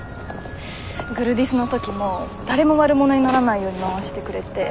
グルディスの時も誰も悪者にならないように回してくれて。